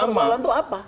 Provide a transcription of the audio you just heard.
ada apa persoalan itu apa